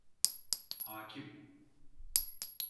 Hakim!